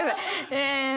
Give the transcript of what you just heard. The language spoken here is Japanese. え。